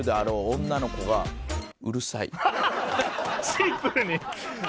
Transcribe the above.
シンプルに？